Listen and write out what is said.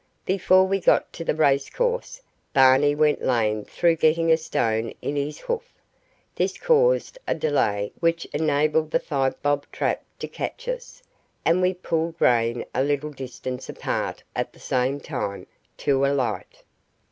Before we got to the racecourse Barney went lame through getting a stone in his hoof; this caused a delay which enabled the Five Bob trap to catch us, and we pulled rein a little distance apart at the same time, to alight.